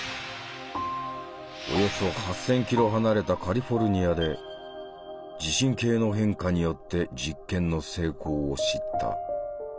およそ８，０００キロ離れたカリフォルニアで地震計の変化によって実験の成功を知った。